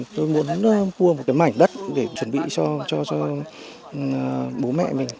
tôi muốn mua một cái mảnh đất để chuẩn bị cho bố mẹ mình